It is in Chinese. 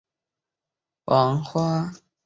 钝苞一枝黄花是菊科一枝黄花属的植物。